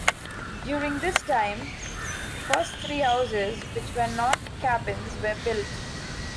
During this time, the first three houses which were not cabins were built.